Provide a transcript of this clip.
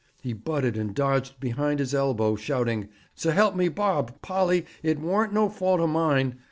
He butted and dodged behind his elbow, shouting: 'S'elp me Bob, Polly, it worn't no fault o' mine'!